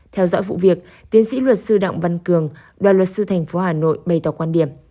theo dõi vụ việc tiến sĩ luật sư đặng văn cường đoàn luật sư thành phố hà nội bày tỏ quan điểm